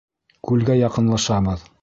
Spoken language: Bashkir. Күлгә яҡынлашабыҙ.